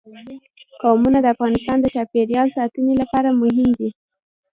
قومونه د افغانستان د چاپیریال ساتنې لپاره مهم دي.